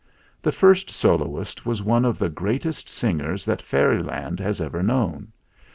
The first soloist was one of the greatest singers that Fairyland has ever known.